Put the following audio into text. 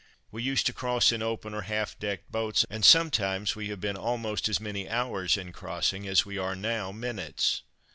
We used to cross in open or half decked boats, and sometimes we have been almost as many hours in crossing as we are now minutes.